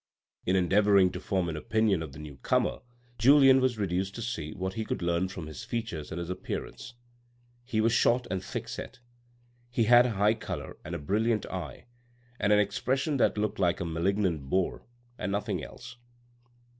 In endeavouring to form an opinion of the new comer, Julien was reduced to seeing what he could learn from his features and his appeareance. He was short and thick set. He had a high colour and a brilliant eye and an expression that looked like a malignant boar, and nothing else.